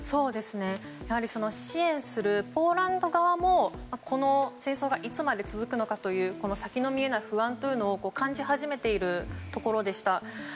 やはり支援するポーランド側もこの戦争がいつまで続くのかという先の見えない不安を感じ始めているところでした。